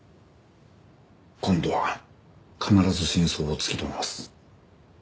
今度は必ず真相を突き止めます。